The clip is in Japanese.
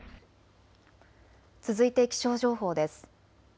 続いて気象情報です。